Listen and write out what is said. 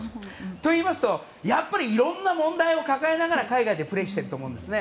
といいますと、やっぱりいろんな問題を抱えながら海外でプレーをしていると思うんですね。